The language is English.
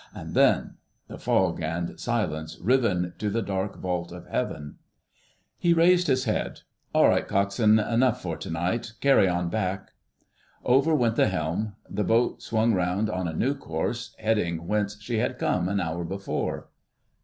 And then—the fog and silence riven to the dark vault of heaven. He raised his head. "All right, Coxswain, enough for to night. Carry on back." Over went the helm: the boat swung round on a new course, heading whence she had come an hour before.